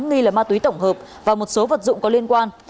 nghi là ma túy tổng hợp và một số vật dụng có liên quan